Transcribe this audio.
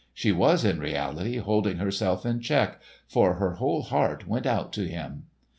She was in reality holding herself in check, for her whole heart went out to him.